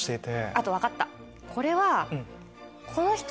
あと分かった。